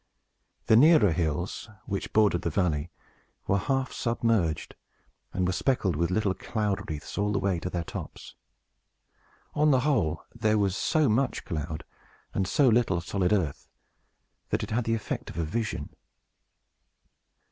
The nearer hills, which bordered the valley, were half submerged, and were specked with little cloud wreaths all the way to their tops. On the whole, there was so much cloud, and so little solid earth, that it had the effect of a vision.